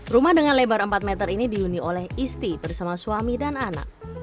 rumah dengan lebar empat meter ini dihuni oleh isti bersama suami dan anak